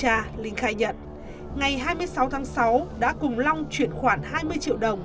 trong cuộc kiểm tra linh khai nhận ngày hai mươi sáu tháng sáu đã cùng long chuyển khoản hai mươi triệu đồng